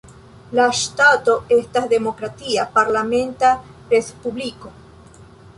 La ŝtato estas demokratia, parlamenta respubliko.